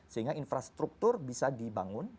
sehingga infrastruktur bisa dibangun